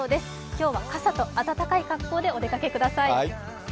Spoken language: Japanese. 今日は傘と暖かい格好でお出かけください。